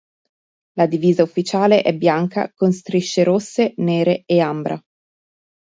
La divisa ufficiale è bianca con strisce rosse, nere e ambra.